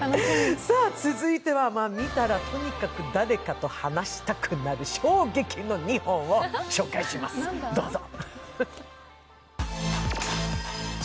続いては、見たらとにかく誰かと話したくなる衝撃の２本を紹介します、どうぞ。